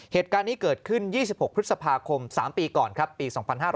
เหตุการณ์นี้เกิดขึ้น๒๖พฤษภาคม๓ปีก่อนครับปี๒๕๕๙